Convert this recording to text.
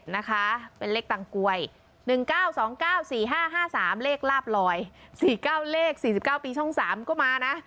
นะคะเป็นเลขตังกวย๑๙๒๙๔๕๕๓เลขลาบลอย๔๙เลข๔๙ปีช่อง๓ก็มานะ